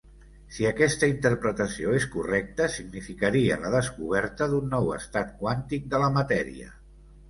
Si aquesta interpretació és correcta, significaria la descoberta d'un nou estat quàntic de la matèria.